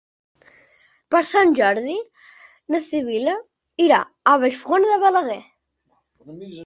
Per Sant Jordi na Sibil·la irà a Vallfogona de Balaguer.